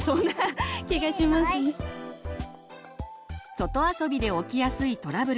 外遊びで起きやすいトラブル。